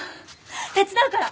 手伝うから！